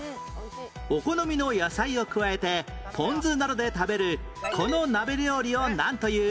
お好みの野菜を加えてポン酢などで食べるこの鍋料理をなんという？